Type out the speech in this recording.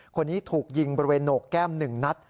คนนี้ถูกยิงบริเวณโหนกแก้ม๑นัด